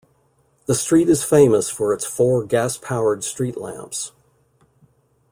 The street is famous for its four gas-powered street lamps.